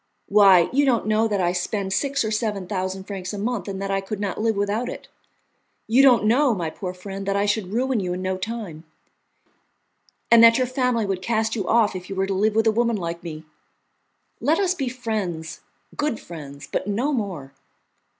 Why, you don't know that I spend six or seven thousand francs a month, and that I could not live without it; you don't know, my poor friend, that I should ruin you in no time, and that your family would cast you off if you were to live with a woman like me. Let us be friends, good friends, but no more.